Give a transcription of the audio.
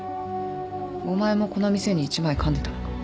お前もこの店に一枚かんでたのか